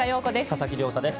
佐々木亮太です。